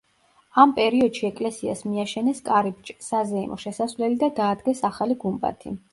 ამ პერიოდში ეკლესიას მიაშენეს კარიბჭე, საზეიმო შესასვლელი და დაადგეს ახალი გუმბათი.